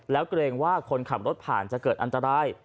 แล้วเกรงว่าคนขับรถผ่านจะเกิดอันตราย